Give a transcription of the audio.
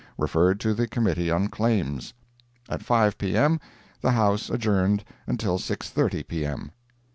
Referred to the Committee on Claims. At 5 P.M. the House adjourned until 6:30 P.M.